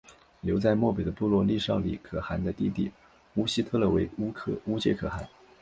留在漠北的部落立昭礼可汗的弟弟乌希特勒为乌介可汗。